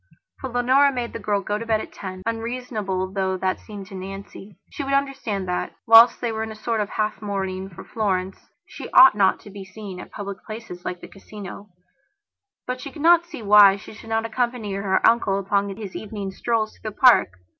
For Leonora made the girl go to bed at ten, unreasonable though that seemed to Nancy. She would understand that, whilst they were in a sort of half mourning for Florence, she ought not to be seen at public places, like the Casino; but she could not see why she should not accompany her uncle upon his evening strolls though the park.